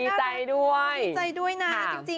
ไม่ต้องหลอกนะฟี